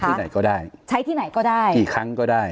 ที่ไหนก็ได้ใช้ที่ไหนก็ได้กี่ครั้งก็ได้